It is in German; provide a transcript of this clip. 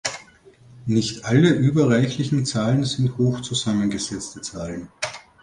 Nicht alle überreichlichen Zahlen sind hoch zusammengesetzte Zahlen.